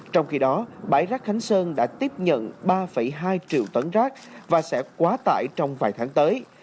trong khi đó bãi rác khánh sơn đã tiếp nhận ba hai triệu tấn rác và sẽ quá tải trong vài tháng tới